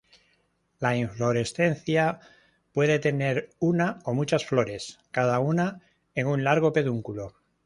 La inflorescencia puede tener una o muchas flores, cada una en un largo pedúnculo.